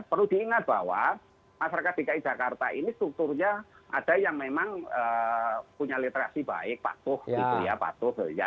perlu diingat bahwa masyarakat dki jakarta ini strukturnya ada yang memang punya literasi baik patuh gitu ya patuh